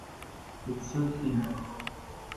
Bezirk hing.